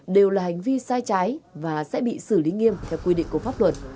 đều là hành vi sai trái và sẽ bị xử lý nghiêm theo quy định của pháp luật